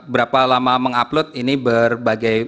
berapa lama mengupload ini berbagai